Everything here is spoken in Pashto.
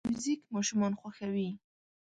موزیک ماشومان خوښوي.